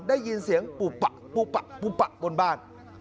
ได้ยินเสียงปุ๊บปะปุ๊บปะปุ๊บปะบนบ้าน